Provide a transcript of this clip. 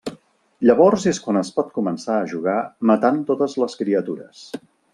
Llavors és quan es pot començar a jugar matant totes les criatures.